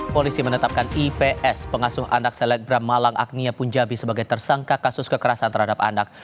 polisi menetapkan ips pengasuh anak selebgram malang agnia punjabi sebagai tersangka kasus kekerasan terhadap anak